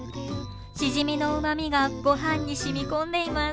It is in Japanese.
しじみのうまみがごはんに染み込んでいます。